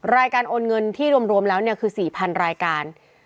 รายการโอนเงินที่รวมแล้วคือ๔๐๐๐รายการ